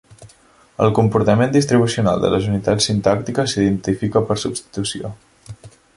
El comportament distribucional de les unitats sintàctiques s'identifica per substitució.